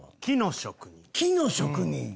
木の職人？